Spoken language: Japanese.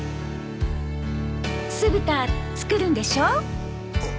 酢豚作るんでしょ？